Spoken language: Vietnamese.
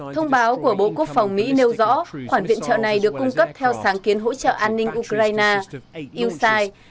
thông báo của bộ quốc phòng mỹ nêu rõ khoản viện trợ này được cung cấp theo sáng kiến hỗ trợ an ninh ukraine